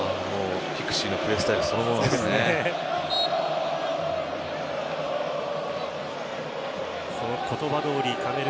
ピクシーのプレースタイルそのものですね。